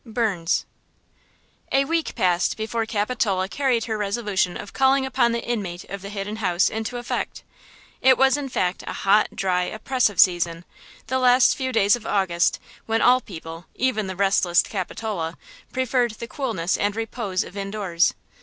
–BURNS. A WEEK passed before Capitola carried her resolution of calling upon the inmate of the Hidden House into effect. It was in fact a hot, dry, oppressive season, the last few days of August, when all people, even the restless Capitola, preferred the coolness and repose of indoors.